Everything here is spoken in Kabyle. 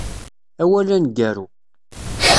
Awal aneggaru.